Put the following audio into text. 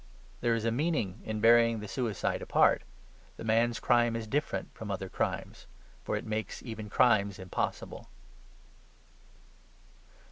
There is a meaning in burying the suicide apart. The man's crime is different from other crimes for it makes even crimes impossible.